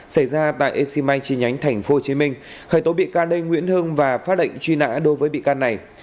xảy ra tại exim bank trên nhánh tp hcm khởi tố bị cá lê nguyễn hưng và phát định truy nã đối với bị cá này